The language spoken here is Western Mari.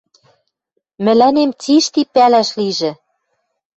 Мӹлӓнем цишти пӓлӓш лижӹ...»